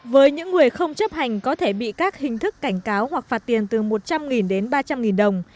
với những người không chấp hành có thể bị các hình thức cảnh cáo hoặc phạt tiền từ một trăm linh đến ba trăm linh đồng